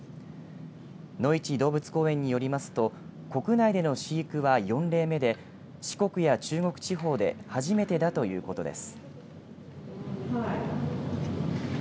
のいち動物公園によりますと国内での飼育は４例目で四国や中国地方で初めてだということです。